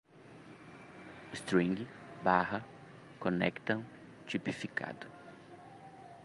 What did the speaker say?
string, barra, conectam, tipificado